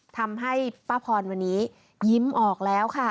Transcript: ทำให้ป้าพรวันนี้ยิ้มออกแล้วค่ะ